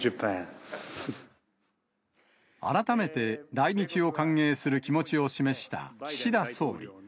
改めて、来日を歓迎する気持ちを示した岸田総理。